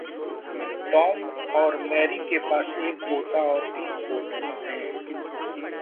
Tom और Mary के पास एक पोता और तीन पोतियां हैं।